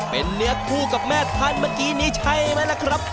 เป็นเนื้อคู่กับแม่ท่านเมื่อกี้นี้ใช่ไหมล่ะครับ